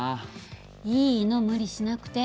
いいの無理しなくて。